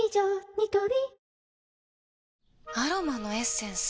ニトリアロマのエッセンス？